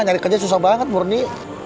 nyari kerja susah banget murni